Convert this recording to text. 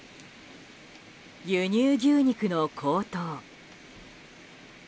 輸入牛肉の高騰。